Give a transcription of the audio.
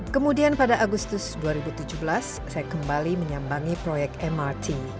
kemudian pada agustus dua ribu tujuh belas saya kembali menyambangi proyek mrt